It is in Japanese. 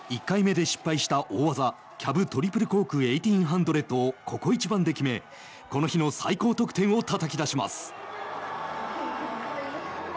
１回目で失敗した大技キャブトリプルコーク１８００をここ一番で決め、この日の最高得点をたたき出します。